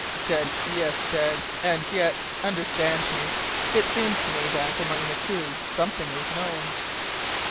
"Dead, yes, dead! And yet, understand me, it seems to me that, among the crew, something is known."